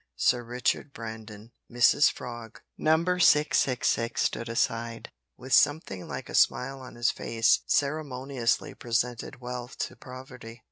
Sir Richard Brandon Mrs Frog." Number 666 stood aside, and, with something like a smile on his face, ceremoniously presented Wealth to Poverty.